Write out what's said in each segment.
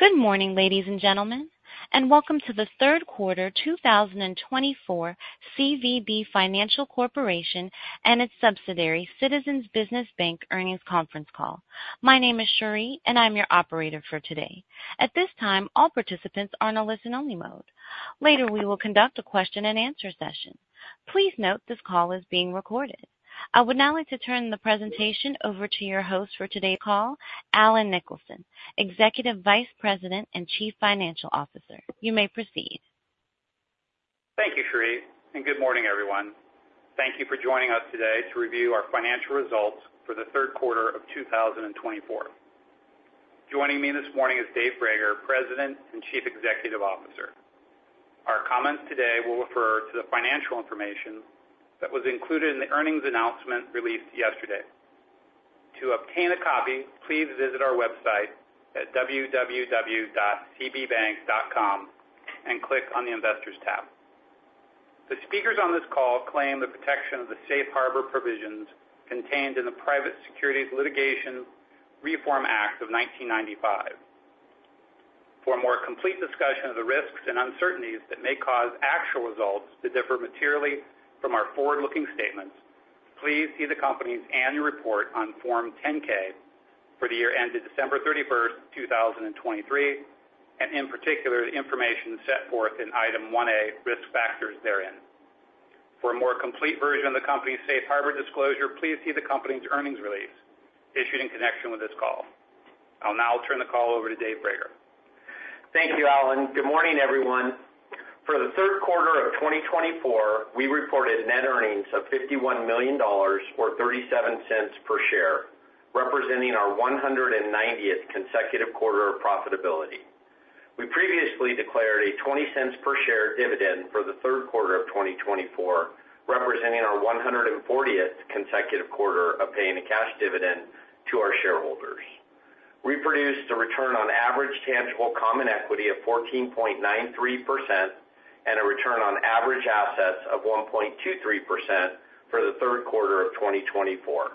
Good morning, ladies and gentlemen, and welcome to the third quarter two thousand and twenty-four CVB Financial Corporation and its subsidiary, Citizens Business Bank Earnings Conference Call. My name is Cherie, and I'm your operator for today. At this time, all participants are in a listen-only mode. Later, we will conduct a question-and-answer session. Please note, this call is being recorded. I would now like to turn the presentation over to your host for today's call, Allen Nicholson, Executive Vice President and Chief Financial Officer. You may proceed. Thank you, Cherie, and good morning, everyone. Thank you for joining us today to review our financial results for the third quarter of 2024. Joining me this morning is Dave Brager, President and Chief Executive Officer. Our comments today will refer to the financial information that was included in the earnings announcement released yesterday. To obtain a copy, please visit our website at www.cbbank.com and click on the Investors tab. The speakers on this call claim the protection of the safe harbor provisions contained in the Private Securities Litigation Reform Act of 1995. For a more complete discussion of the risks and uncertainties that may cause actual results to differ materially from our forward-looking statements, please see the company's annual report on Form 10-K for the year ended December thirty-first, two thousand and twenty-three, and in particular, the information set forth in Item 1A, Risk Factors therein. For a more complete version of the company's safe harbor disclosure, please see the company's earnings release issued in connection with this call. I'll now turn the call over to Dave Brager. Thank you, Alan. Good morning, everyone. For the third quarter of 2024, we reported net earnings of $51 million or $0.37 per share, representing our one hundred and ninetieth consecutive quarter of profitability. We previously declared a $0.20 per share dividend for the third quarter of 2024, representing our 140th consecutive quarter of paying a cash dividend to our shareholders. We produced a return on average tangible common equity of 14.93% and a return on average assets of 1.23% for the third quarter of 2024.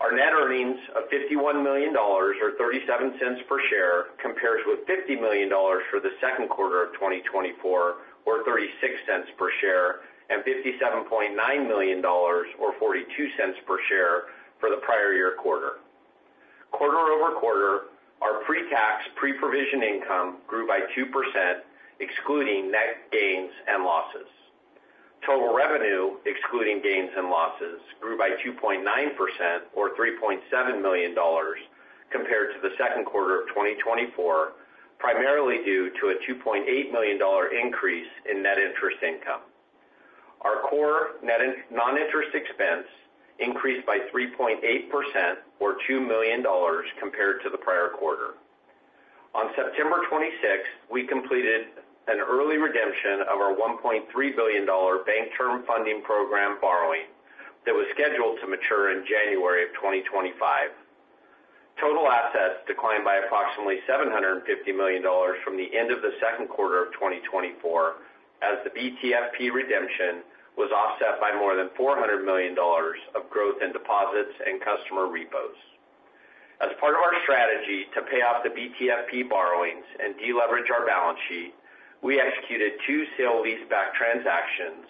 Our net earnings of $51 million or $0.37 per share compares with $50 million for the second quarter of 2024, or $0.36 per share, and $57.9 million or $0.42 per share for the prior year quarter. Quarter over quarter, our pre-tax, pre-provision income grew by 2%, excluding net gains and losses. Total revenue, excluding gains and losses, grew by 2.9% or $3.7 million compared to the second quarter of 2024, primarily due to a $2.8 million increase in net interest income. Our core non-interest expense increased by 3.8% or $2 million compared to the prior quarter. On September 26th, we completed an early redemption of our $1.3 billion bank term funding program borrowing that was scheduled to mature in January of 2025. Total assets declined by approximately $750 million from the end of the second quarter of 2024, as the BTFP redemption was offset by more than $400 million of growth in deposits and customer repos. As part of our strategy to pay off the BTFP borrowings and deleverage our balance sheet, we executed two sale leaseback transactions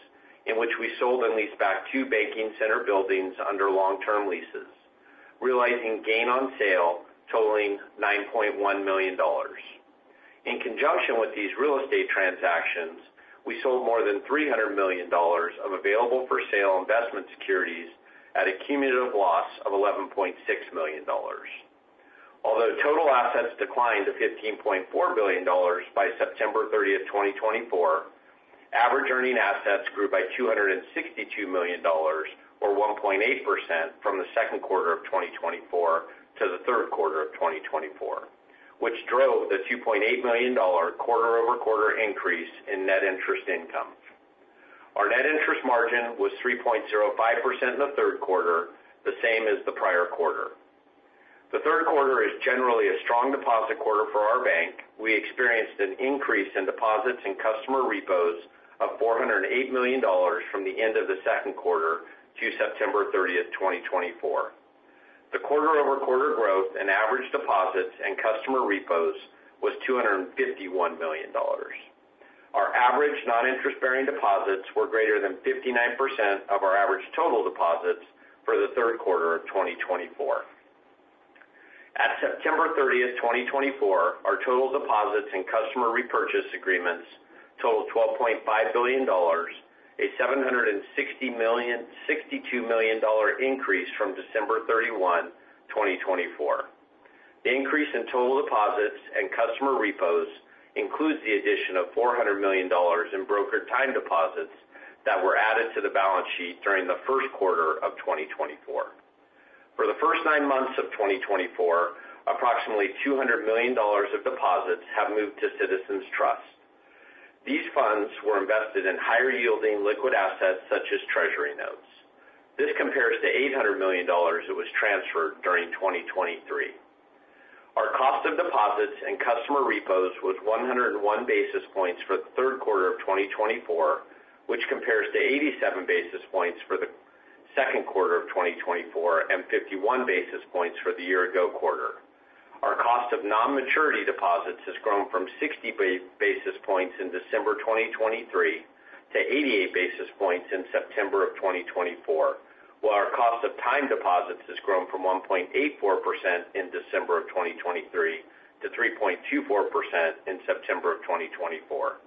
in which we sold and leased back two banking center buildings under long-term leases, realizing gain on sale totaling $9.1 million. In conjunction with these real estate transactions, we sold more than $300 million of available-for-sale investment securities at a cumulative loss of $11.6 million. Although total assets declined to $15.4 billion by September thirtieth, 2024, average earning assets grew by $262 million or 1.8% from the second quarter of 2024 to the third quarter of 2024, which drove the $2.8 million quarter over quarter increase in net interest income. Our net interest margin was 3.05% in the third quarter, the same as the prior quarter. The third quarter is generally a strong deposit quarter for our bank. We experienced an increase in deposits and customer repos of $408 million from the end of the second quarter to September 30, 2024. The quarter over quarter growth in average deposits and customer repos was $251 million. Our average non-interest-bearing deposits were greater than 59% of our average total deposits for the third quarter of 2024. At September 30, 2024, our total deposits and customer repurchase agreements totaled $12.5 billion, a $762 million increase from December 31, 2023. The increase in total deposits and customer repos includes the addition of $400 million in brokered time deposits that were added to the balance sheet during the first quarter of 2024. For the first nine months of 2024, approximately $200 million of deposits have moved to Citizens Trust. These funds were invested in higher-yielding liquid assets, such as Treasury notes. This compares to $800 million that was transferred during 2023. Our cost of deposits and customer repos was 101 basis points for the third quarter of 2024, which compares to 87 basis points for the second quarter of 2024 and 51 basis points for the year ago quarter. Our cost of non-maturity deposits has grown from 60 basis points in December 2023 to 88 basis points in September 2024, while our cost of time deposits has grown from 1.84% in December 2023 to 3.24% in September 2024.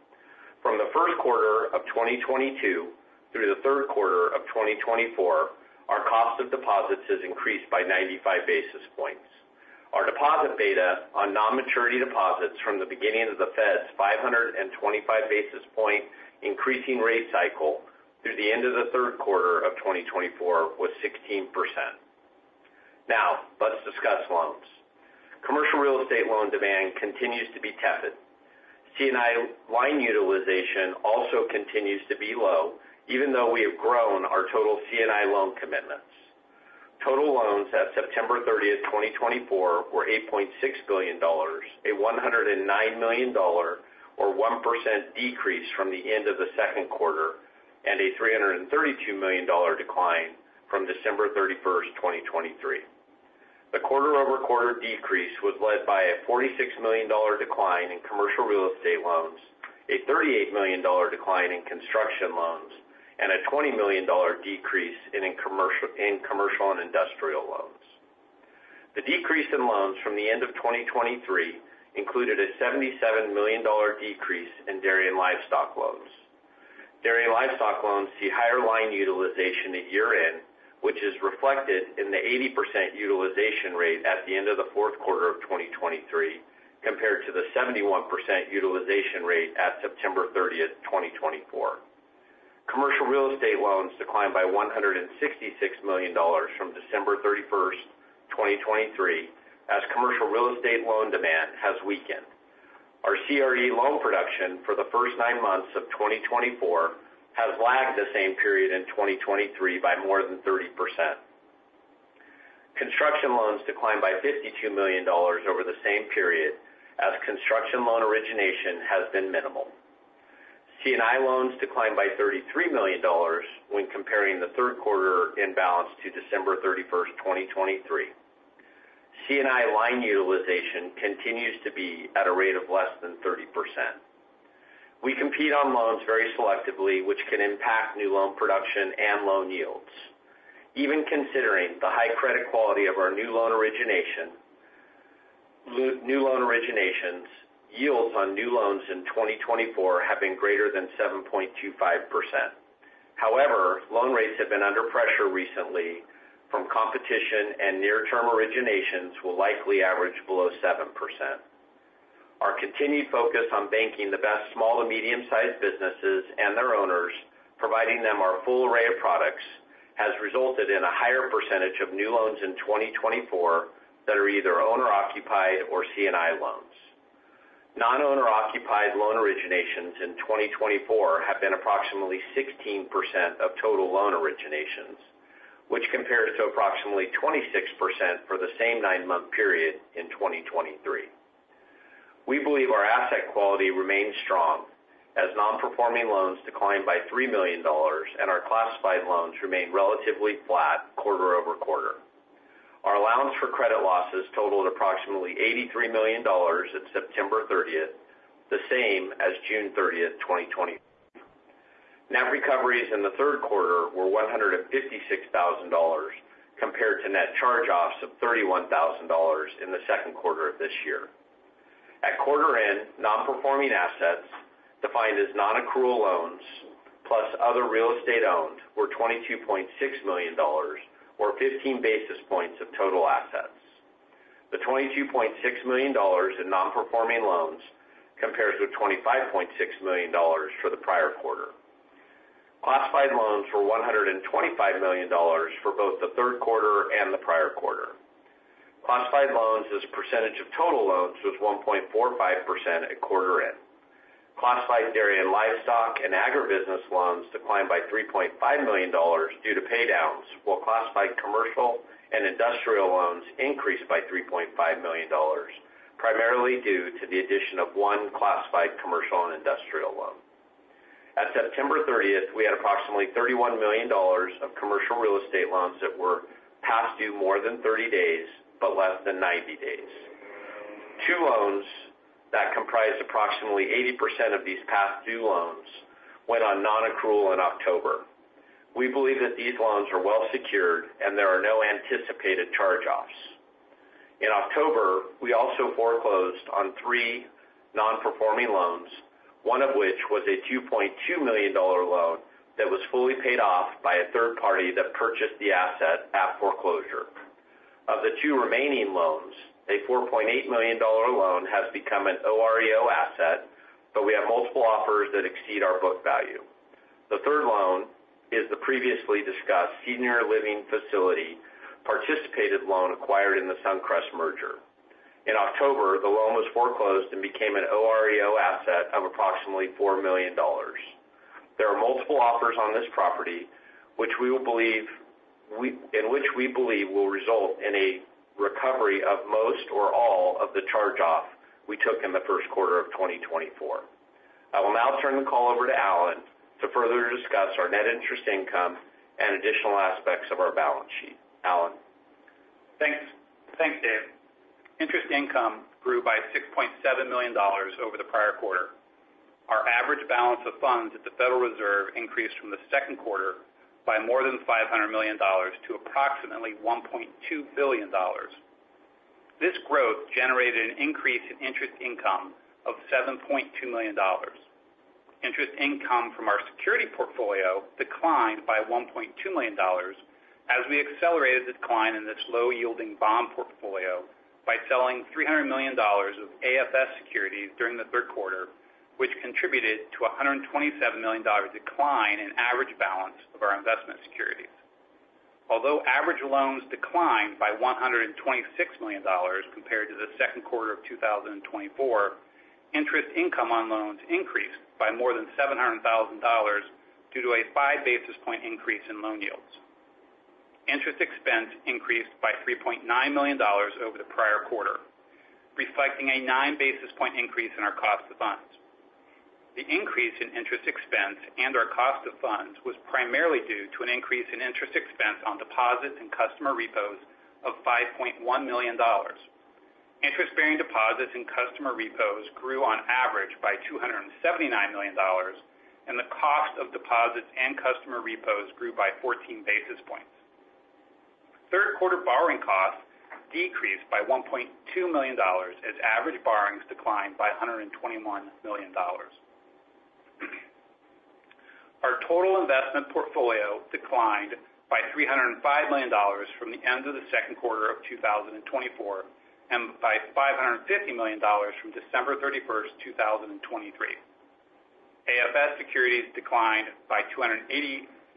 From the first quarter of 2022 through the third quarter of 2024, our cost of deposits has increased by 95 basis points. Our deposit beta on non-maturity deposits from the beginning of the Fed's 525-basis-point increasing rate cycle through the end of the third quarter of 2024 was 16%. Now, let's discuss loans. Commercial real estate loan demand continues to be tepid. C&I line utilization also continues to be low, even though we have grown our total C&I loan commitments. Total loans at September 30, 2024, were $8.6 billion, a $109 million or 1% decrease from the end of the second quarter and a $332 million decline from December 31, 2023. The quarter-over-quarter decrease was led by a $46 million decline in commercial real estate loans, a $38 million decline in construction loans, and a $20 million decrease in commercial and industrial loans. The decrease in loans from the end of 2023 included a $77 million decrease in dairy and livestock loans. Dairy and livestock loans see higher line utilization at year-end, which is reflected in the 80% utilization rate at the end of the fourth quarter of 2023, compared to the 71% utilization rate at September 30, 2024. Commercial real estate loans declined by $166 million from December 31, 2023, as commercial real estate loan demand has weakened. Our CRE loan production for the first nine months of 2024 has lagged the same period in 2023 by more than 30%. Construction loans declined by $52 million over the same period, as construction loan origination has been minimal. C&I loans declined by $33 million when comparing the third quarter-end balance to December 31, 2023. C&I line utilization continues to be at a rate of less than 30%. We compete on loans very selectively, which can impact new loan production and loan yields. Even considering the high credit quality of our new loan originations, yields on new loans in 2024 have been greater than 7.25%. However, loan rates have been under pressure recently from competition, and near-term originations will likely average below 7%. Our continued focus on banking the best small to medium-sized businesses and their owners, providing them our full array of products, has resulted in a higher percentage of new loans in 2024 that are either owner-occupied or C&I loans. Non-owner-occupied loan originations in 2024 have been approximately 16% of total loan originations, which compares to approximately 26% for the same nine-month period in 2023. We believe our asset quality remains strong, as nonperforming loans declined by $3 million and our classified loans remained relatively flat quarter over quarter. Our allowance for credit losses totaled approximately $83 million at September 30, the same as June 30, 2024. Net recoveries in the third quarter were $156,000, compared to net charge-offs of $31,000 in the second quarter of this year. At quarter end, nonperforming assets, defined as nonaccrual loans plus other real estate owned, were $22.6 million or 15 basis points of total assets. The $22.6 million in nonperforming loans compares with $25.6 million for the prior quarter. Classified loans were $125 million for both the third quarter and the prior quarter. Classified loans as a percentage of total loans was 1.45% at quarter end. Classified dairy and livestock and agribusiness loans declined by $3.5 million due to pay downs, while classified commercial and industrial loans increased by $3.5 million, primarily due to the addition of one classified commercial and industrial loan. At September 30th, we had approximately $31 million of commercial real estate loans that were past due more than 30 days, but less than 90 days. Two loans that comprised approximately 80% of these past due loans went on nonaccrual in October. We believe that these loans are well secured and there are no anticipated charge-offs. In October, we also foreclosed on three nonperforming loans, one of which was a $2.2 million dollar loan that was fully paid off by a third party that purchased the asset at foreclosure. Of the two remaining loans, a $4.8 million loan has become an OREO asset, but we have multiple offers that exceed our book value. The third loan is the previously discussed senior living facility, participated loan acquired in the Suncrest merger. In October, the loan was foreclosed and became an OREO asset of approximately $4 million. There are multiple offers on this property, in which we believe will result in a recovery of most or all of the charge-off we took in the first quarter of 2024. I will now turn the call over to Allen to further discuss our net interest income and additional aspects of our balance sheet. Allen? Thanks. Thanks, Dave. Interest income grew by $6.7 million over the prior quarter. Our average balance of funds at the Federal Reserve increased from the second quarter by more than $500 million to approximately $1.2 billion. This growth generated an increase in interest income of $7.2 million. Interest income from our security portfolio declined by $1.2 million as we accelerated the decline in this low-yielding bond portfolio by selling $300 million of AFS securities during the third quarter, which contributed to a $127 million decline in average balance of our investment securities. Although average loans declined by $126 million compared to the second quarter of 2024, interest income on loans increased by more than $700,000 due to a five basis point increase in loan yields. Interest expense increased by $3.9 million over the prior quarter, reflecting a nine basis point increase in our cost of funds. The increase in interest expense and our cost of funds was primarily due to an increase in interest expense on deposits and customer repos of $5.1 million. Interest-bearing deposits and customer repos grew on average by $279 million, and the cost of deposits and customer repos grew by fourteen basis points. Third quarter borrowing costs decreased by $1.2 million, as average borrowings declined by $121 million. Our total investment portfolio declined by $305 million from the end of the second quarter of 2024, and by $550 million from December 31, 2023. AFS securities declined by $280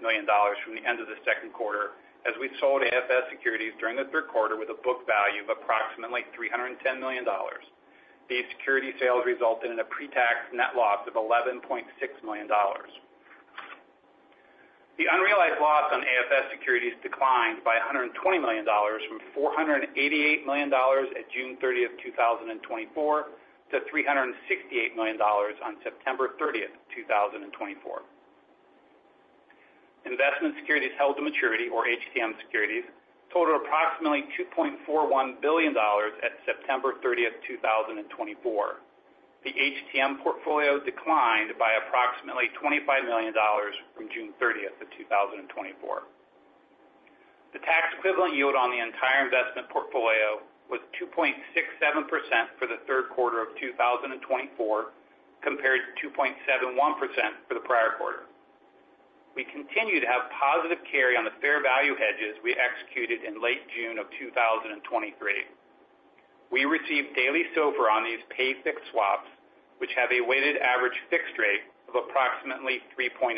million from the end of the second quarter, as we sold AFS securities during the third quarter with a book value of approximately $310 million. These security sales resulted in a pretax net loss of $11.6 million. The unrealized loss on AFS securities declined by $120 million from $488 million at June 30, 2024, to $368 million on September 30, 2024. Investment securities held to maturity, or HTM securities, totaled approximately $2.41 billion at September 30, 2024. The HTM portfolio declined by approximately $25 million from June 30, 2024. The tax equivalent yield on the entire investment portfolio was 2.67% for the third quarter of 2024, compared to 2.71% for the prior quarter. We continue to have positive carry on the fair value hedges we executed in late June of 2023. We received daily SOFR on these pay fixed swaps, which have a weighted average fixed rate of approximately 3.8%.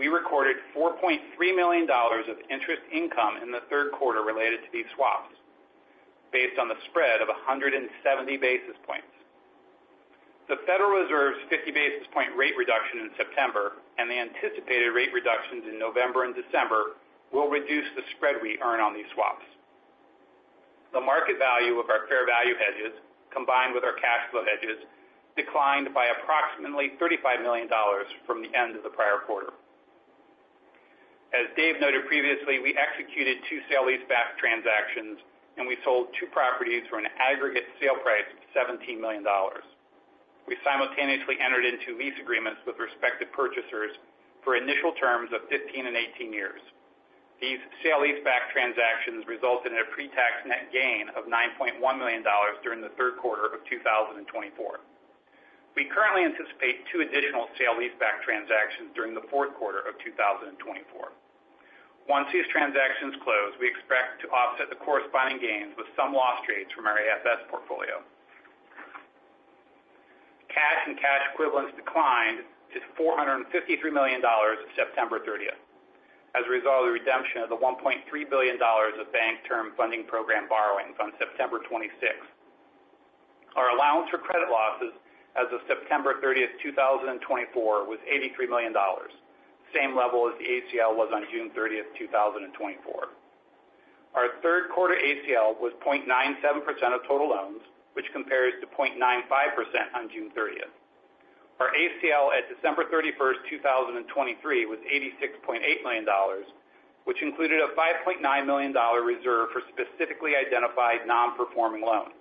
We recorded $4.3 million of interest income in the third quarter related to these swaps, based on the spread of 170 basis points. The Federal Reserve's 50 basis point rate reduction in September and the anticipated rate reductions in November and December will reduce the spread we earn on these swaps. The market value of our fair value hedges, combined with our cash flow hedges, declined by approximately $35 million from the end of the prior quarter. As Dave noted previously, we executed two sale leaseback transactions, and we sold two properties for an aggregate sale price of $17 million. We simultaneously entered into lease agreements with respective purchasers for initial terms of 15 and 18 years. These sale leaseback transactions resulted in a pretax net gain of $9.1 million during the third quarter of two thousand and twenty-four. We currently anticipate two additional sale leaseback transactions during the fourth quarter of two thousand and twenty-four. Once these transactions close, we expect to offset the corresponding gains with some loss trades from our AFS portfolio. Cash and cash equivalents declined to $453 million as of September 30th as a result of the redemption of the $1.3 billion of Bank Term Funding Program borrowings on September 26th. Our allowance for credit losses as of September 30th, 2024, was $83 million, same level as the ACL was on June 30th, 2024. Our third quarter ACL was 0.97% of total loans, which compares to 0.95% on June 30th. Our ACL at December 31st, 2023, was $86.8 million, which included a $5.9 million reserve for specifically identified non-performing loans.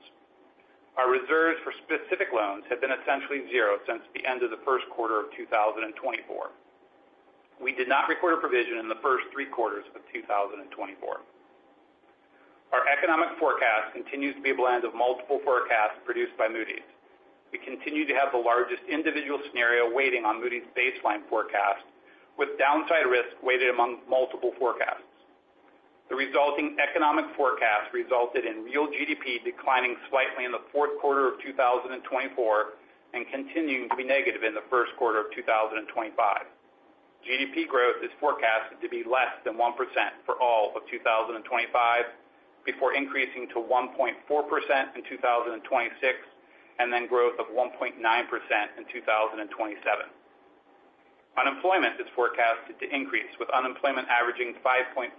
Our reserves for specific loans have been essentially zero since the end of the first quarter of 2024. We did not record a provision in the first three quarters of 2024. Our economic forecast continues to be a blend of multiple forecasts produced by Moody's. We continue to have the largest individual scenario weighting on Moody's baseline forecast, with downside risk weighted among multiple forecasts. The resulting economic forecast resulted in real GDP declining slightly in the fourth quarter of 2024 and continuing to be negative in the first quarter of 2025. GDP growth is forecasted to be less than 1% for all of 2025 , before increasing to 1.4% in 2026, and then growth of 1.9% in 2027. Unemployment is forecasted to increase, with unemployment averaging 5.5%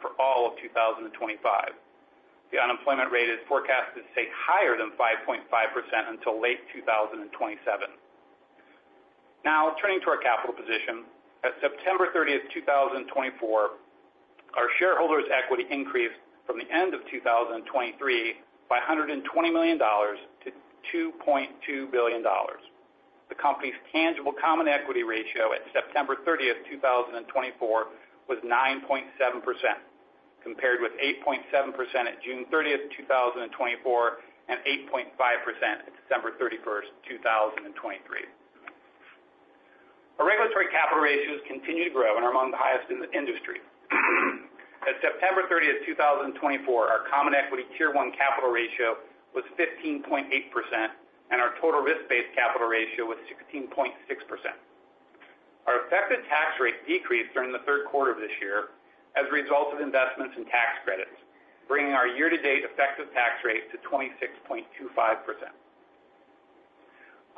for all of 2025. The unemployment rate is forecasted to stay higher than 5.5% until late 2027. Now turning to our capital position. At September 30, 2024, our shareholders' equity increased from the end of 2023 by $120 million to $2.2 billion. The company's tangible common equity ratio at September 30, 2024, was 9.7%, compared with 8.7% at June 30, 2024, and 8.5% at December 31, 2023. Our regulatory capital ratios continue to grow and are among the highest in the industry. At September 30, 2024, our Common Equity Tier 1 capital ratio was 15.8%, and our total risk-based capital ratio was 16.6%. Our effective tax rate decreased during the third quarter of this year as a result of investments in tax credits, bringing our year-to-date effective tax rate to 26.25%.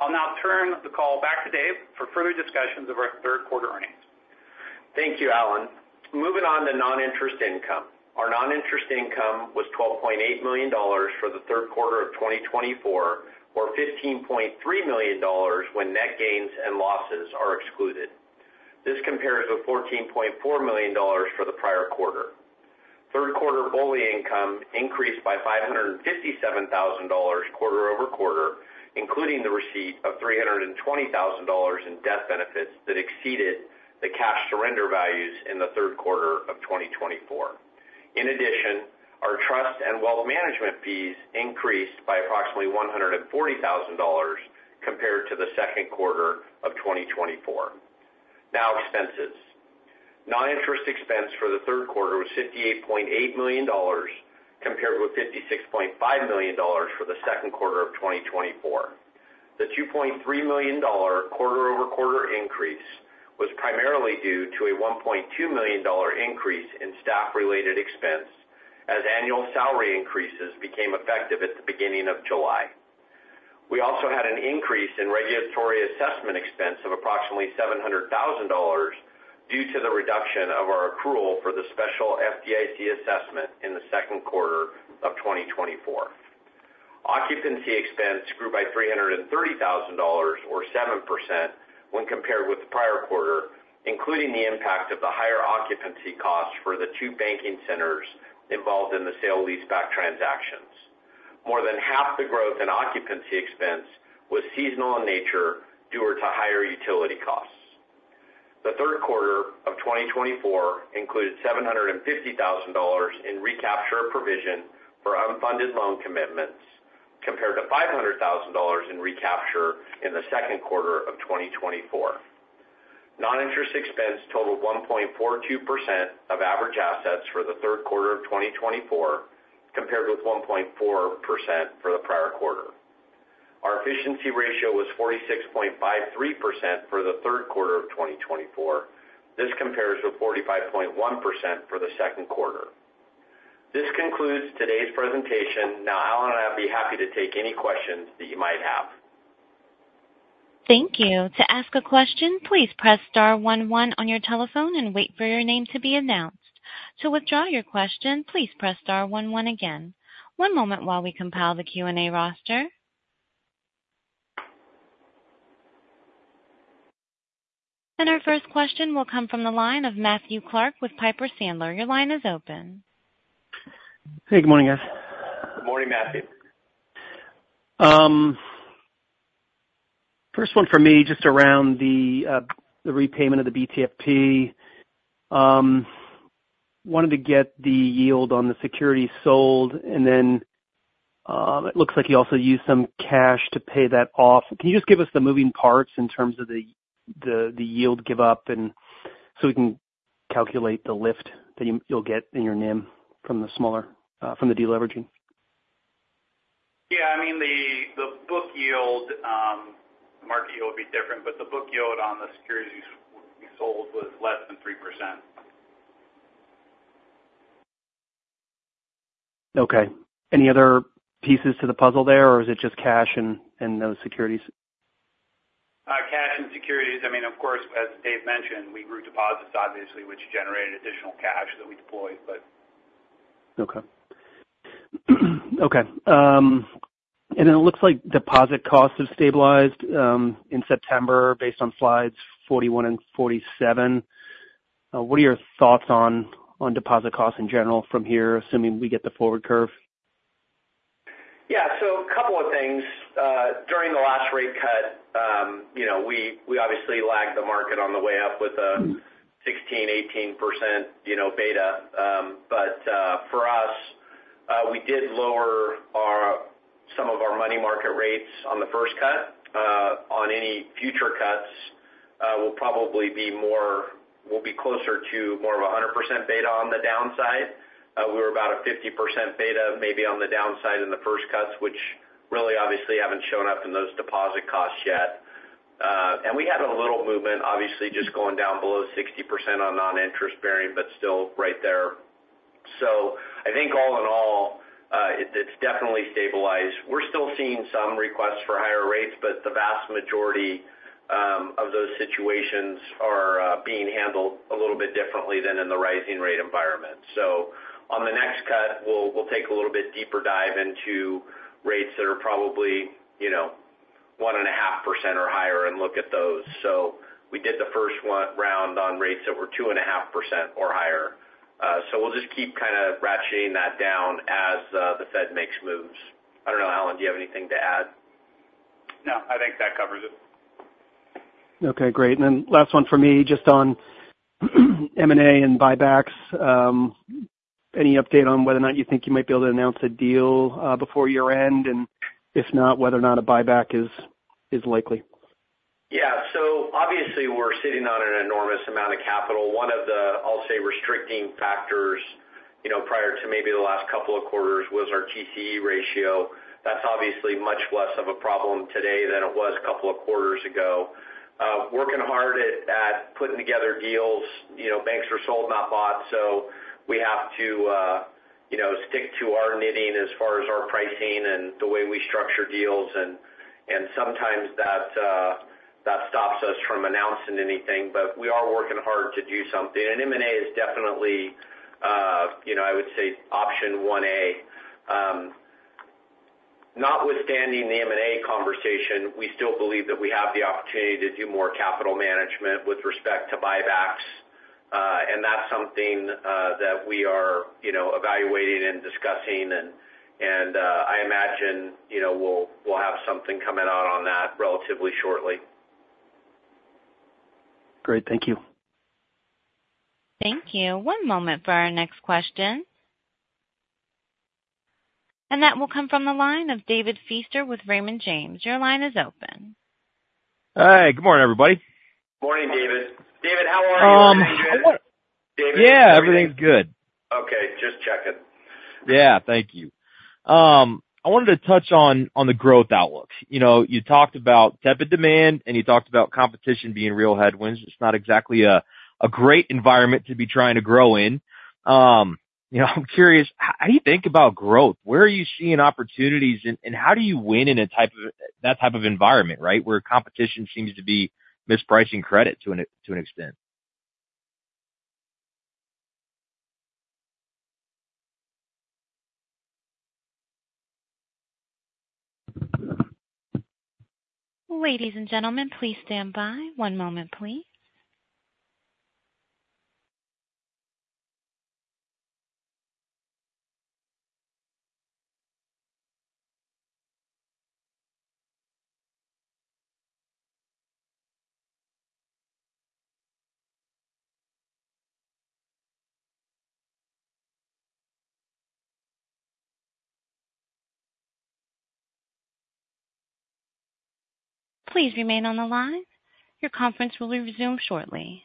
I'll now turn the call back to Dave for further discussions of our third quarter earnings. Thank you, Allen. Moving on to non-interest income. Our non-interest income was $12.8 million for the third quarter of 2024, or $15.3 million when net gains and losses are excluded. This compares with $14.4 million for the prior quarter. Third quarter BOLI income increased by $557,000 quarter over quarter, including the receipt of $320,000 in death benefits that exceeded the cash surrender values in the third quarter of 2024. In addition, our trust and wealth management fees increased by approximately $140,000 compared to the second quarter of 2024. Now expenses. Non-interest expense for the third quarter was $58.8 million, compared with $56.5 million for the second quarter of 2024. The $2.3 million quarter over quarter increase was primarily due to a $1.2 million increase in staff-related expense, as annual salary increases became effective at the beginning of July. We also had an increase in regulatory assessment expense of approximately $700,000 due to the reduction of our accrual for the special FDIC assessment in the second quarter of 2024. Occupancy expense grew by $330,000, or 7%, when compared with the prior quarter, including the impact of the higher occupancy costs for the two banking centers involved in the sale leaseback transactions. More than half the growth in occupancy expense was seasonal in nature, due to higher utility costs. The third quarter of 2024 included $750,000 in recapture provision for unfunded loan commitments, compared to $500,000 in recapture in the second quarter of 2024. Noninterest expense totaled 1.42% of average assets for the third quarter of 2024, compared with 1.4% for the prior quarter. Our efficiency ratio was 46.53% for the third quarter of 2024. This compares with 45.1% for the second quarter. This concludes today's presentation. Now, Allen and I will be happy to take any questions that you might have. Thank you. To ask a question, please press star one one on your telephone and wait for your name to be announced. To withdraw your question, please press star one one again. One moment while we compile the Q&A roster, and our first question will come from the line of Matthew Clark with Piper Sandler. Your line is open. Hey, good morning, guys. Good morning, Matthew. First one for me, just around the repayment of the BTFP. Wanted to get the yield on the security sold, and then, it looks like you also used some cash to pay that off. Can you just give us the moving parts in terms of the yield give up, and so we can calculate the lift that you, you'll get in your NIM from the smaller, from the deleveraging? Yeah, I mean, the book yield, market yield will be different, but the book yield on the securities we sold was less than 3%. Okay. Any other pieces to the puzzle there, or is it just cash and those securities? Cash and securities. I mean, of course, as Dave mentioned, we grew deposits obviously, which generated additional cash that we deployed, but- Okay. Okay, and it looks like deposit costs have stabilized in September, based on slides 41 and 47. What are your thoughts on deposit costs in general from here, assuming we get the forward curve? Yeah, so a couple of things. During the last rate cut, you know, we obviously lagged the market on the way up with a 16-18% beta, you know. But, for us, we did lower some of our money market rates on the first cut. On any future cuts, we'll be closer to more of a 100% beta on the downside. We were about a 50% beta, maybe on the downside in the first cuts, which really obviously haven't shown up in those deposit costs yet. And we had a little movement, obviously, just going down below 60% on noninterest-bearing, but still right there. So I think all in all, it's definitely stabilized. We're still seeing some requests for higher rates, but the vast majority of those situations are being handled a little bit differently than in the rising rate environment. So on the next cut, we'll take a little bit deeper dive into rates that are probably, you know, 1.5% or higher and look at those. So we did the first one round on rates that were 2.5% or higher. So we'll just keep kind of ratcheting that down as the Fed makes moves. I don't know, Allen, do you have anything to add? No, I think that covers it. Okay, great. And then last one for me, just on M&A and buybacks. Any update on whether or not you think you might be able to announce a deal before year-end? And if not, whether or not a buyback is likely. Yeah. So obviously, we're sitting on an enormous amount of capital. One of the, I'll say, restricting factors, you know, prior to maybe the last couple of quarters was our TCE ratio. That's obviously much less of a problem today than it was a couple of quarters ago. Working hard at putting together deals. You know, banks are sold, not bought, so we have to, you know, stick to our knitting as far as our pricing and the way we structure deals, and sometimes that stops us from announcing anything, but we are working hard to do something. And M&A is definitely, you know, I would say option one-A. Notwithstanding the M&A conversation, we still believe that we have the opportunity to do more capital management with respect to buybacks. And that's something that we are, you know, evaluating and discussing and I imagine, you know, we'll have something coming out on that relatively shortly. Great. Thank you. Thank you. One moment for our next question. And that will come from the line of David Feaster with Raymond James. Your line is open. Hi, good morning, everybody. Morning, David. David, how are you? Yeah, everything's good. Okay, just checking. Yeah, thank you. I wanted to touch on the growth outlook. You know, you talked about tepid demand, and you talked about competition being real headwinds. It's not exactly a great environment to be trying to grow in. You know, I'm curious, how do you think about growth? Where are you seeing opportunities, and how do you win in that type of environment, right? Where competition seems to be mispricing credit to an extent. Ladies and gentlemen, please stand by. One moment, please. Please remain on the line. Your conference will resume shortly.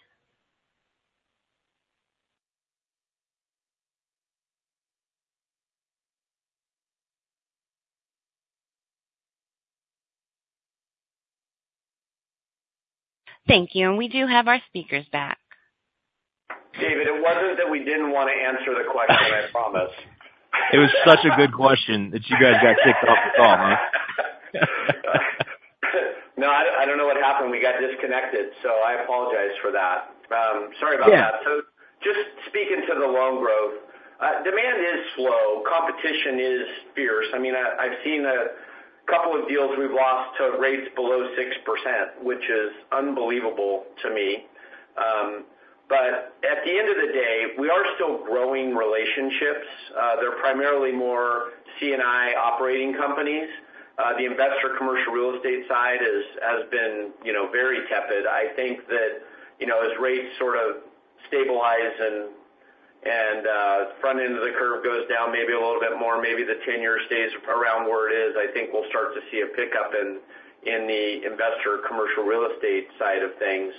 Thank you, and we do have our speakers back. David, it wasn't that we didn't want to answer the question, I promise. It was such a good question that you guys got kicked off the call, huh? No, I don't know what happened. We got disconnected, so I apologize for that. Sorry about that. Yeah. So just speaking to the loan growth, demand is slow, competition is fierce. I mean, I've seen a couple of deals we've lost to rates below 6%, which is unbelievable to me. But at the end of the day, we are still growing relationships. They're primarily more C&I operating companies. The investor commercial real estate side has been, you know, very tepid. I think that, you know, as rates sort of stabilize and front end of the curve goes down maybe a little bit more, maybe the ten-year stays around where it is. I think we'll start to see a pickup in the investor commercial real estate side of things.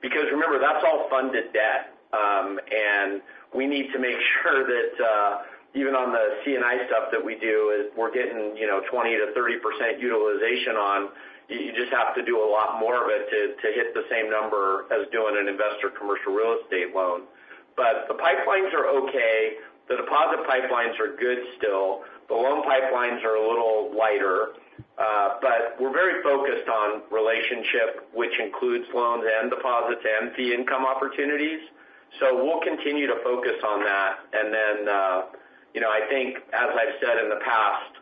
Because remember, that's all funded debt, and we need to make sure that, even on the C&I stuff that we do, is we're getting, you know, 20%-30% utilization on, you just have to do a lot more of it to hit the same number as doing an investor commercial real estate loan. But the pipelines are okay, the deposit pipelines are good still. The loan pipelines are a little lighter, but we're very focused on relationship, which includes loans and deposits and fee income opportunities. So we'll continue to focus on that. Then, you know, I think, as I've said in the past,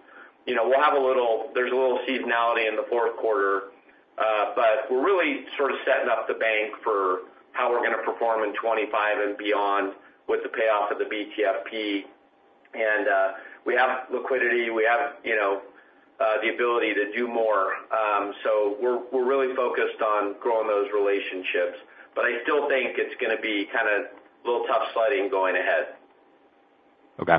you know, there is a little seasonality in the fourth quarter, but we're really sort of setting up the bank for how we're going to perform in 2025 and beyond with the payoff of the BTFP. We have liquidity, we have, you know, the ability to do more. So we're really focused on growing those relationships, but I still think it's gonna be kind of a little tough sledding going ahead. Okay.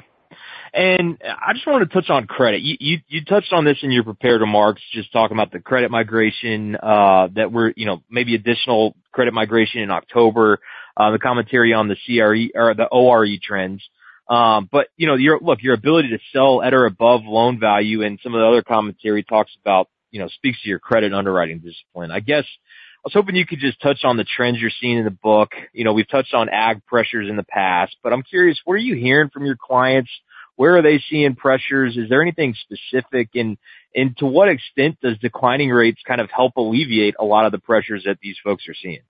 I just wanted to touch on credit. You touched on this in your prepared remarks, just talking about the credit migration that we're, you know, maybe additional credit migration in October. The commentary on the CRE or the OREO trends. But you know, your ability to sell at or above loan value and some of the other commentary talks about, you know, speaks to your credit underwriting discipline. I guess I was hoping you could just touch on the trends you're seeing in the book. You know, we've touched on ag pressures in the past, but I'm curious, what are you hearing from your clients? Where are they seeing pressures? Is there anything specific? And to what extent does declining rates kind of help alleviate a lot of the pressures that these folks are seeing?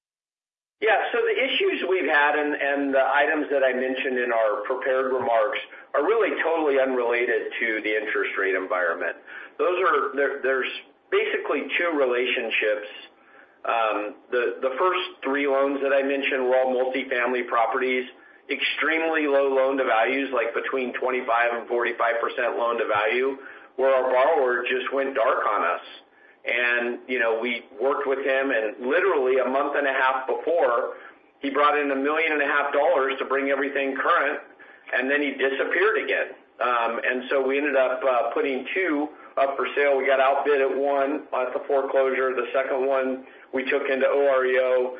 Yeah, so the issues we've had and the items that I mentioned in our prepared remarks are really totally unrelated to the interest rate environment. Those are. There's basically two relationships. The first three loans that I mentioned were all multifamily properties, extremely low loan-to-values, like between 25% and 45% loan-to-value, where our borrower just went dark on us. And, you know, we worked with him, and literally a month and a half before, he brought in $1.5 million to bring everything current, and then he disappeared again. So we ended up putting two up for sale. We got outbid at one at the foreclosure. The second one, we took into OREO.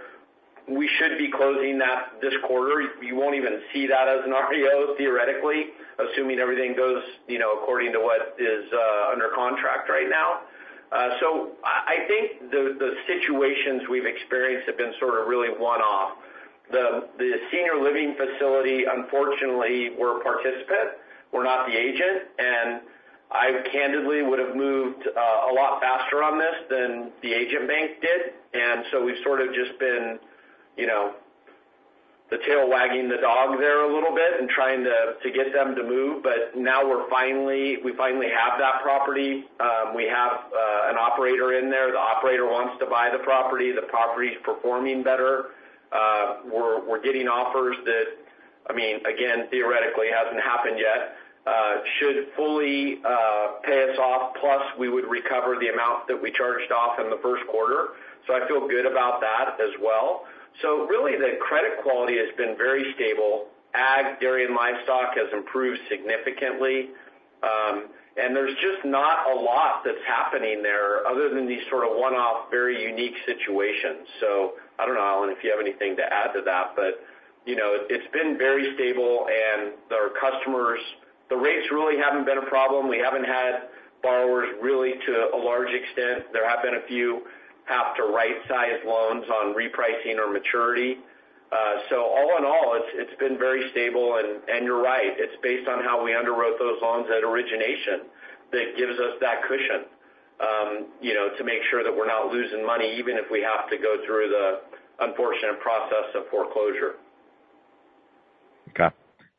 We should be closing that this quarter. You won't even see that as an OREO, theoretically, assuming everything goes, you know, according to what is under contract right now. So I think the situations we've experienced have been sort of really one-off. The senior living facility, unfortunately, we're a participant, we're not the agent, and I candidly would have moved a lot faster on this than the agent bank did. And so we've sort of just been, you know, the tail wagging the dog there a little bit and trying to get them to move. But now we're finally. We finally have that property. We have an operator in there. The operator wants to buy the property. The property's performing better. We're getting offers that, I mean, again, theoretically, hasn't happened yet, should fully pay us off, plus we would recover the amount that we charged off in the first quarter. So I feel good about that as well. So really, the credit quality has been very stable. Ag, dairy, and livestock has improved significantly, and there's just not a lot that's happening there other than these sort of one-off, very unique situations. So I don't know, Allen, if you have anything to add to that, but, you know, it's been very stable, and our customers. The rates really haven't been a problem. We haven't had borrowers really, to a large extent. There have been a few have to right-size loans on repricing or maturity. So all in all, it's been very stable. You're right, it's based on how we underwrote those loans at origination that gives us that cushion, you know, to make sure that we're not losing money, even if we have to go through the unfortunate process of foreclosure.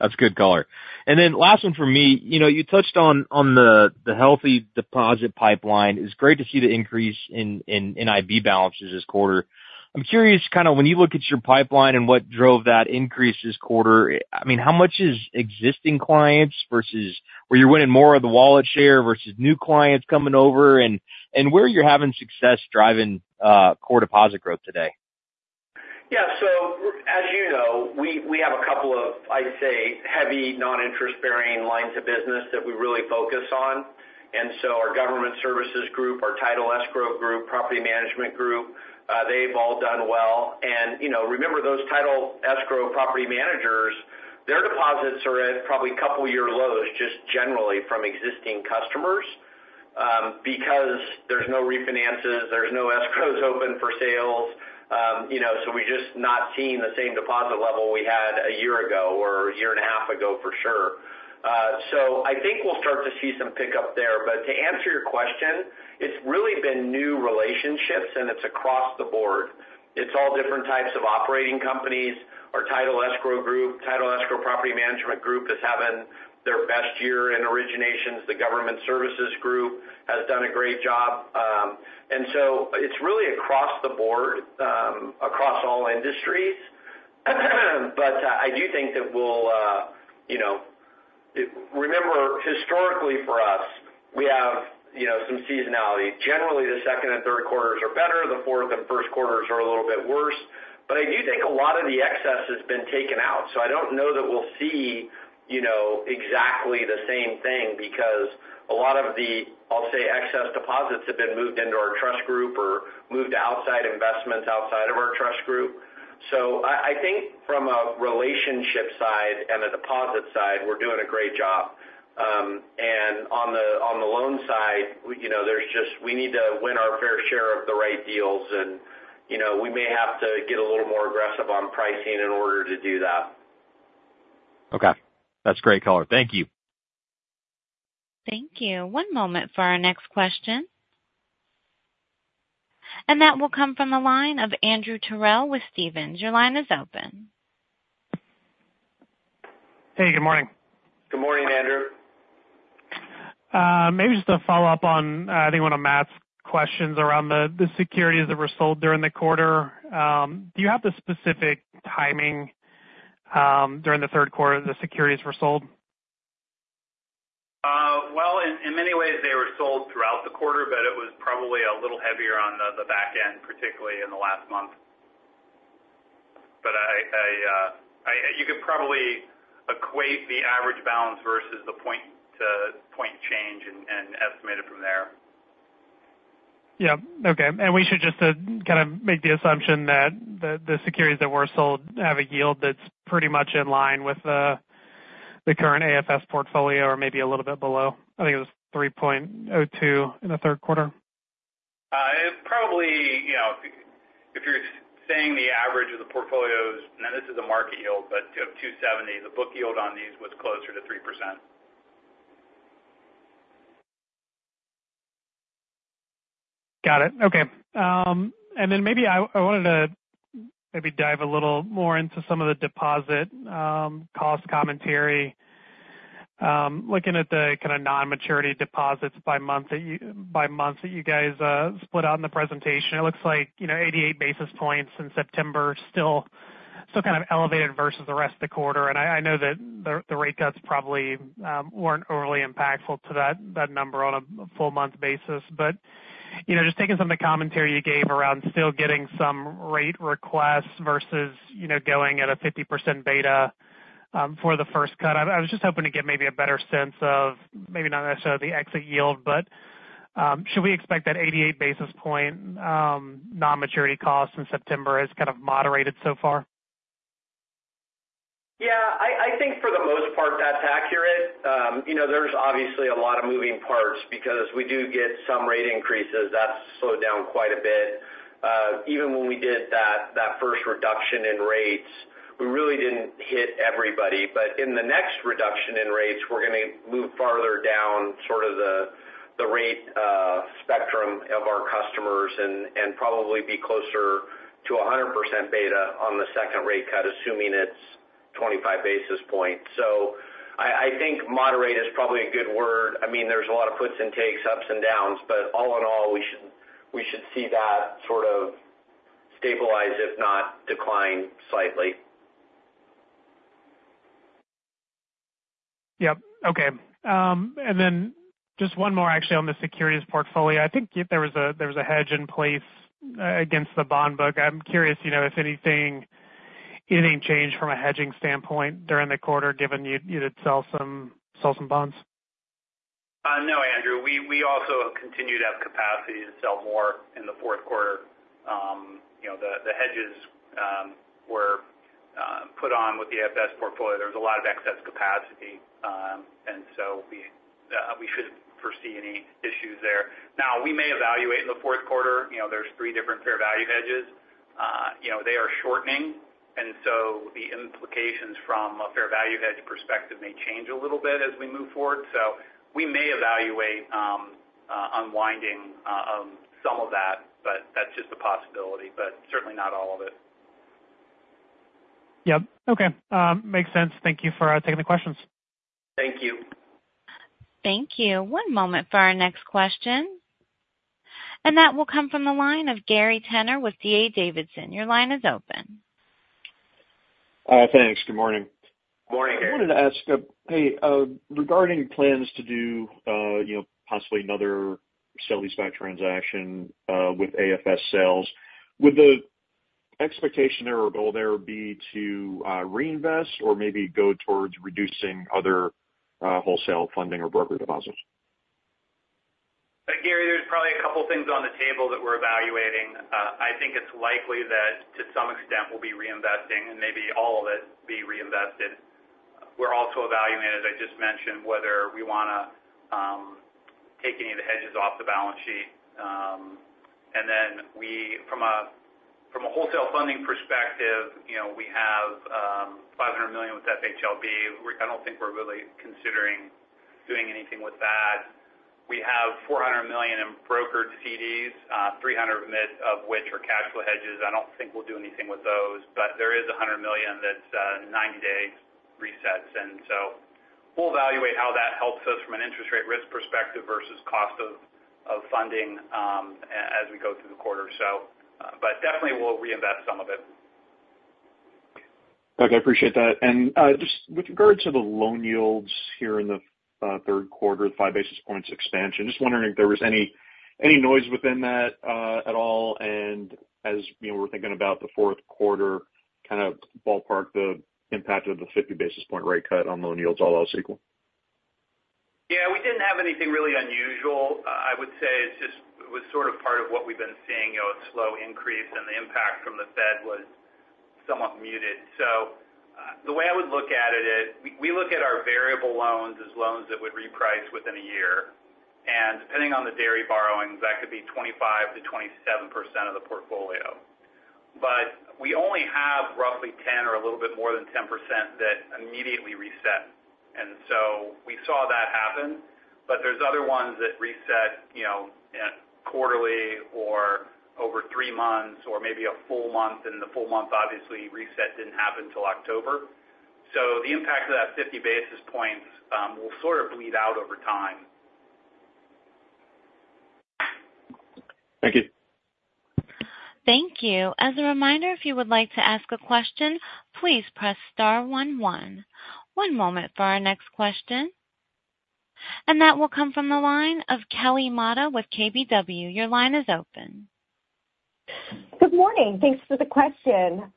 Okay. That's good color. And then last one for me. You know, you touched on the healthy deposit pipeline. It's great to see the increase in IB balances this quarter. I'm curious, kind of when you look at your pipeline and what drove that increase this quarter, I mean, how much is existing clients versus where you're winning more of the wallet share versus new clients coming over, and where are you having success driving core deposit growth today? Yeah. So as you know, we have a couple of, I'd say, heavy non-interest bearing lines of business that we really focus on. And so our government services group, our title escrow group, property management group, they've all done well. And, you know, remember those title escrow property managers, their deposits are at probably a couple year lows, just generally from existing customers, because there's no refinances, there's no escrows open for sales. You know, so we're just not seeing the same deposit level we had a year ago or a year and a half ago for sure. So I think we'll start to see some pickup there. But to answer your question, it's really been new relationships, and it's across the board. It's all different types of operating companies. Our title escrow group, title escrow property management group, is having their best year in originations. The government services group has done a great job, and so it's really across the board, across all industries, but I do think that we'll, you know. Remember, historically for us, we have, you know, some seasonality. Generally, the second and third quarters are better, the fourth and first quarters are a little bit worse, but I do think a lot of the excess has been taken out, so I don't know that we'll see, you know, exactly the same thing, because a lot of the, I'll say, excess deposits have been moved into our trust group or moved to outside investments outside of our trust group, so I think from a relationship side and a deposit side, we're doing a great job. And on the loan side, you know, there's just, we need to win our fair share of the right deals, and, you know, we may have to get a little more aggressive on pricing in order to do that. Okay. That's great color. Thank you. Thank you. One moment for our next question, and that will come from the line of Andrew Terrell with Stephens. Your line is open. Hey, good morning. Good morning, Andrew. Maybe just a follow-up on, I think, one of Matt's questions around the securities that were sold during the quarter. Do you have the specific timing during the third quarter the securities were sold? Well, in many ways, they were sold throughout the quarter, but it was probably a little heavier on the back end, particularly in the last month. But you could probably equate the average balance versus the point to point change and estimate it from there. Yeah. Okay. And we should just kind of make the assumption that the securities that were sold have a yield that's pretty much in line with the current AFS portfolio or maybe a little bit below? I think it was 3.02 in the third quarter. It probably, you know, if you, if you're saying the average of the portfolios, now this is a market yield, but you have 2.70. The book yield on these was closer to 3%. Got it. Okay. And then maybe I wanted to maybe dive a little more into some of the deposit cost commentary. Looking at the kind of non-maturity deposits by month that you guys split out in the presentation, it looks like, you know, 88 basis points in September, still kind of elevated versus the rest of the quarter, and I know that the rate cuts probably weren't overly impactful to that number on a full month basis, but you know, just taking some of the commentary you gave around still getting some rate requests versus, you know, going at a 50% beta for the first cut. I was just hoping to get maybe a better sense of maybe not necessarily the exit yield, but should we expect that 88 basis point non-maturity cost in September has kind of moderated so far? Yeah. I think for the most part, that's accurate. You know, there's obviously a lot of moving parts because we do get some rate increases. That's slowed down quite a bit. Even when we did that first reduction in rates, we really didn't hit everybody. But in the next reduction in rates, we're going to move farther down sort of the rate spectrum of our customers and probably be closer to 100% beta on the second rate cut, assuming it's 25 basis points. So I think moderate is probably a good word. I mean, there's a lot of puts and takes, ups and downs, but all in all, we should see that sort of stabilize, if not decline slightly. Yep. Okay. And then just one more actually on the securities portfolio. I think there was a hedge in place against the bond book. I'm curious, you know, if anything changed from a hedging standpoint during the quarter, given you did sell some bonds? No, Andrew. We also continue to have capacity to sell more in the fourth quarter. You know, the hedges were put on with the AFS portfolio. There was a lot of excess capacity, and so we shouldn't foresee any issues there. Now, we may evaluate in the fourth quarter. You know, there's three different fair value hedges. You know, they are shortening, and so the implications from a fair value hedge perspective may change a little bit as we move forward. So we may evaluate unwinding some of that, but that's just a possibility, but certainly not all of it. Yep. Okay. Makes sense. Thank you for taking the questions. Thank you. Thank you. One moment for our next question, and that will come from the line of Gary Tenner with D.A. Davidson. Your line is open. Thanks. Good morning. Morning, Gary. I wanted to ask, hey, regarding plans to do, you know, possibly another sale-leaseback transaction, with AFS sales, would the expectation there or goal there be to, reinvest or maybe go towards reducing other, wholesale funding or brokered deposits? Gary, there's probably a couple things on the table that we're evaluating. I think it's likely that to some extent we'll be reinvesting and maybe all of it be reinvested. We're also evaluating, as I just mentioned, whether we want to take any of the hedges off the balance sheet. And then, from a wholesale funding perspective, you know, we have $500 million with FHLB. I don't think we're really considering doing anything with that. We have $400 million in brokered CDs, $300 million of which are callable hedges. I don't think we'll do anything with those, but there is $100 million that's ninety-day resets. And so we'll evaluate how that helps us from an interest rate risk perspective versus cost of funding as we go through the quarter. But definitely we'll reinvest some of it. Okay, I appreciate that. And just with regard to the loan yields here in the third quarter, the five basis points expansion, just wondering if there was any noise within that at all. And as you know, we're thinking about the fourth quarter, kind of ballpark the impact of the fifty basis point rate cut on loan yields, all else equal. Yeah, we didn't have anything really unusual. I would say it just was sort of part of what we've been seeing, you know, a slow increase, and the impact from the Fed was somewhat muted. So, the way I would look at it is we look at our variable loans as loans that would reprice within a year. And depending on the dairy borrowings, that could be 25%-27% of the portfolio. But we only have roughly 10% or a little bit more than 10% that immediately reset. And so we saw that happen, but there's other ones that reset, you know, at quarterly or over three months or maybe a full month, and the full month, obviously, reset didn't happen till October. So the impact of that 50 basis points will sort of bleed out over time. Thank you. Thank you. As a reminder, if you would like to ask a question, please press star one one. One moment for our next question, and that will come from the line of Kelly Motta with KBW. Your line is open. Good morning. Thanks for the question.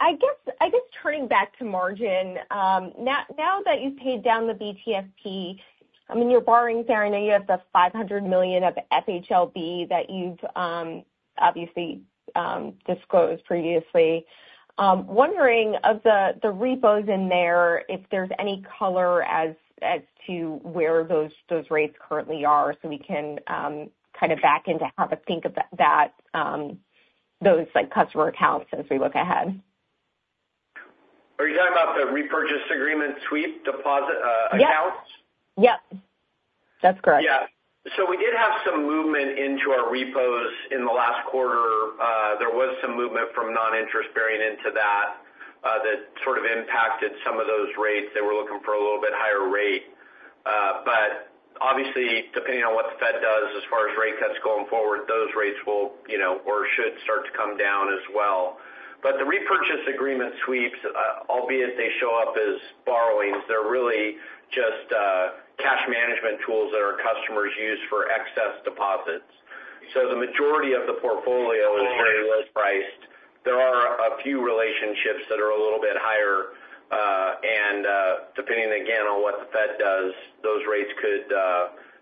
I guess turning back to margin, now that you've paid down the BTFP, I mean, you're borrowing there. I know you have the $500 million of FHLB that you've obviously disclosed previously. Wondering of the repos in there, if there's any color as to where those rates currently are so we can kind of back in to have a think of that, those like customer accounts as we look ahead? Are you talking about the repurchase agreement sweep deposit accounts? Yes. Yep, that's correct. Yeah, so we did have some movement into our repos in the last quarter. There was some movement from non-interest-bearing into that sort of impacted some of those rates. They were looking for a little bit higher rate, but obviously, depending on what the Fed does as far as rate cuts going forward, those rates will, you know, or should start to come down as well. The repurchase agreement sweeps, albeit they show up as borrowings, they're really just cash management tools that our customers use for excess deposits, so the majority of the portfolio is very list-priced. There are a few relationships that are a little bit higher, and depending again, on what the Fed does, those rates could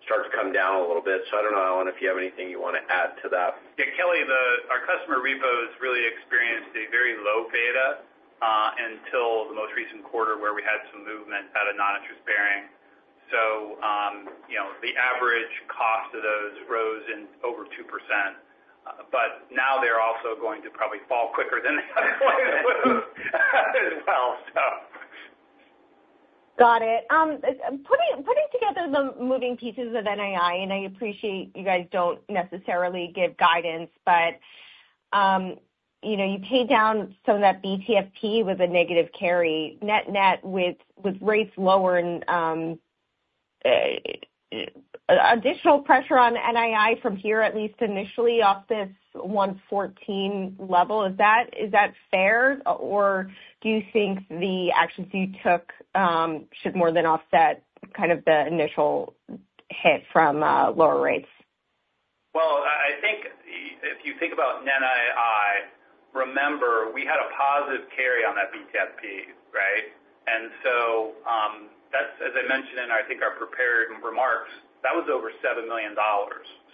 start to come down a little bit. So I don't know, Alan, if you have anything you want to add to that. Yeah, Kelly, our customer repos really experienced a very low beta until the most recent quarter, where we had some movement out of non-interest-bearing. So, you know, the average cost of those rose in over 2%. But now they're also going to probably fall quicker than the other way as well, so. Got it. Putting together the moving pieces of NII, and I appreciate you guys don't necessarily give guidance, but you know, you paid down some of that BTFP with a negative carry. Net-net with rates lower and additional pressure on NII from here, at least initially, off this 1.14 level, is that fair? Or do you think the actions you took should more than offset kind of the initial hit from lower rates? I think if you think about NII, remember, we had a positive carry on that BTFP, right? And so, that's, as I mentioned in, I think, our prepared remarks, that was over $7 million.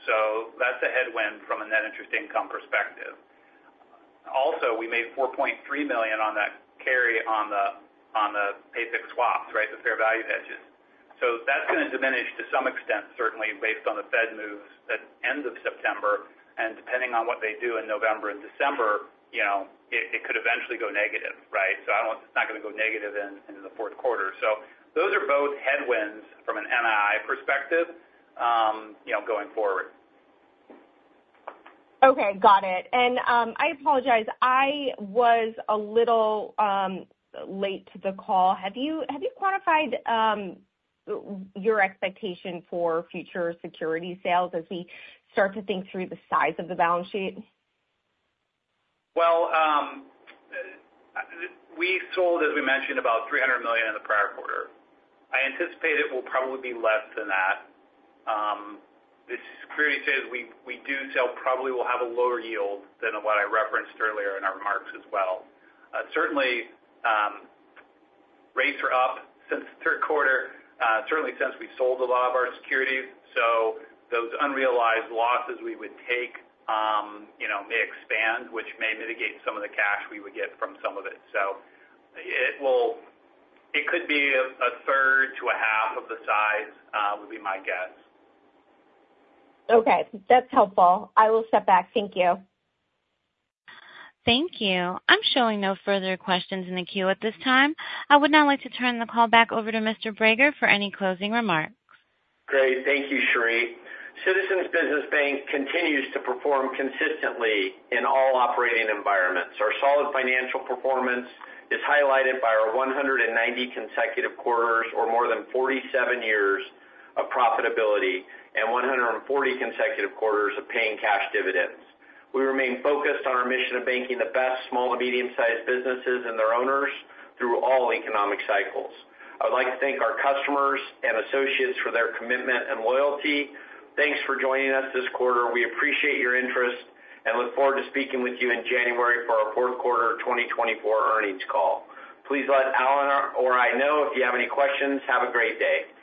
So that's a headwind from a net interest income perspective. Also, we made $4.3 million on that carry on the pay-fixed swaps, right, the fair value hedges. So that's going to diminish to some extent, certainly based on the Fed moves at end of September. And depending on what they do in November and December, you know, it could eventually go negative, right? It's not going to go negative into the fourth quarter. So those are both headwinds from an NII perspective, you know, going forward. Okay, got it. And, I apologize, I was a little late to the call. Have you quantified your expectation for future security sales as we start to think through the size of the balance sheet? We sold, as we mentioned, about $300 million in the prior quarter. I anticipate it will probably be less than that. The security sales we do sell probably will have a lower yield than what I referenced earlier in our remarks as well. Certainly, rates are up since the third quarter, certainly since we sold a lot of our securities. So those unrealized losses we would take, you know, may expand, which may mitigate some of the cash we would get from some of it. So it could be a third to a half of the size. Would be my guess. Okay. That's helpful. I will step back. Thank you. Thank you. I'm showing no further questions in the queue at this time. I would now like to turn the call back over to Mr. Brager for any closing remarks. Great. Thank you, Cherie. Citizens Business Bank continues to perform consistently in all operating environments. Our solid financial performance is highlighted by our one hundred and ninety consecutive quarters, or more than forty-seven years of profitability, and one hundred and forty consecutive quarters of paying cash dividends. We remain focused on our mission of banking the best small and medium-sized businesses and their owners through all economic cycles. I would like to thank our customers and associates for their commitment and loyalty. Thanks for joining us this quarter. We appreciate your interest and look forward to speaking with you in January for our fourth quarter 2024 earnings call. Please let Allen or I know if you have any questions. Have a great day.